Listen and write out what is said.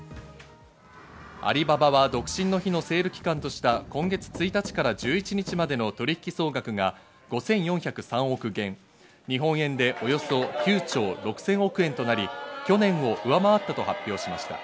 アリババは独身の日のセール期間とした今月１日から１１日までの取引総額が５４０３億元、日本円でおよそ９兆６０００億円となり、去年を上回ったと発表しました。